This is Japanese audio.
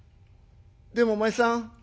でもお前さん